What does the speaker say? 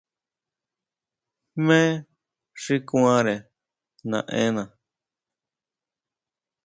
¿Jmé xi kuanre naʼena?